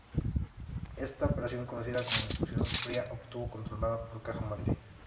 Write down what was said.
Esta operación conocida como "fusión fría" estuvo controlada por Caja Madrid.